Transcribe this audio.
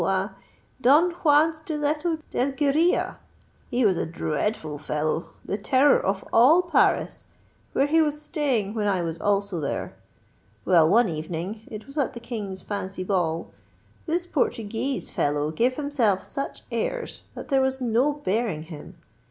ah! Don Juan Stiletto del Guerilla! He was a dreadful fellow—the terror of all Paris, where he was staying when I was also there. Well, one evening—it was at the King's fancy ball—this Portuguese fellow gave himself such airs that there was no bearing him.